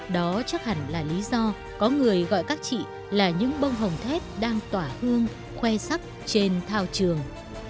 đó chắc hẳn là lý do có người gọi các chị là những bông hồng thép đang tỏa hương khoe sắc trên thao trường